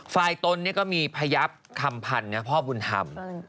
ตนก็มีพยับคำพันธ์นะพ่อบุญธรรม